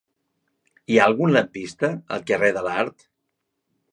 Hi ha algun lampista al carrer de l'Art?